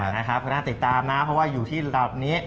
นะครับก็น่าติดตามนะเพราะว่าอยู่ที่หลับนี้